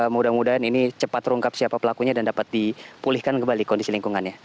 mudah mudahan ini cepat terungkap siapa pelakunya dan dapat dipulihkan kembali kondisi lingkungannya